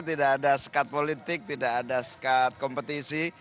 tidak ada skat politik tidak ada skat kompetisi